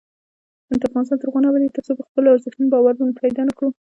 افغانستان تر هغو نه ابادیږي، ترڅو په خپلو ارزښتونو باور پیدا نکړو.